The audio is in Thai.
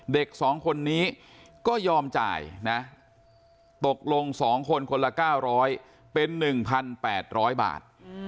เด็ก๒คนนี้ก็ยอมจ่ายนะตกลง๒คนคนละ๙๐๐เป็น๑๘๐๐บาท